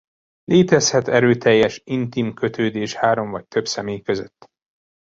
Létezhet erőteljes intim kötődés három vagy több személy között.